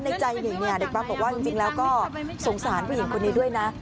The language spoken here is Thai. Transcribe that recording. ในใจหนึ่งเนี่ยเด็กปั๊มบอกว่าจริงแล้วก็สงสารผู้หญิงคนนี้ด้วยนะ